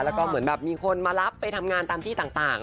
แล้วก็เหมือนแบบมีคนมารับไปทำงานตามที่ต่าง